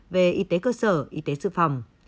về y tế cơ sở y tế sự phòng